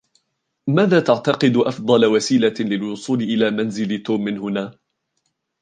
ماذا تعتقد أفضل وسيلة للوصول إلى منزل توم من هنا ؟